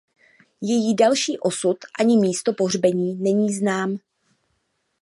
Její další osud ani místo pohřbení není znám.